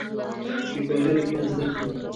پکورې له پیازو ډکې وي